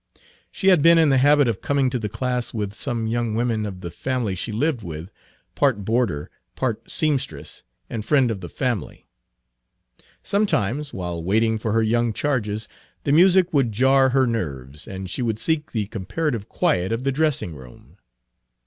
She had been in the habit of coming to the class with some young women of the family she lived with, part boarder, part seamstress and friend of the family. Sometimes, while waiting for her young charges, the music would jar her nerves, and she would seek the comparative quiet of the dressing room.